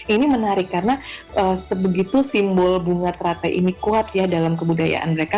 ini menarik karena sebegitu simbol bunga teratai ini kuat ya dalam kebudayaan mereka